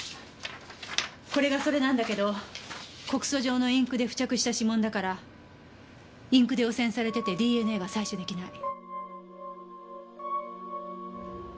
これがそれなんだけど告訴状のインクで付着した指紋だからインクで汚染されててＤＮＡが採取出来ない。